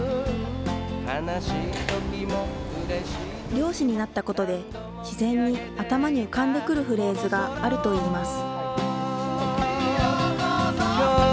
漁師になったことで自然に頭に浮かんでくるフレーズがあるといいます。